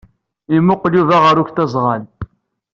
Yemmuqqel Yuba ɣer uktaẓɣal.